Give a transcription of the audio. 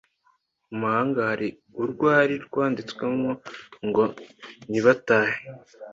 mu mahanga hari urwari rwanditswemo ngo nibatahe